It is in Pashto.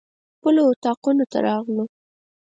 خپلو اطاقونو ته راغلو.